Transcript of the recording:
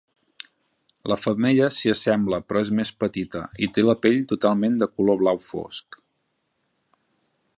La femella s'hi assembla però és més petita i té la pell totalment de color blau fosc.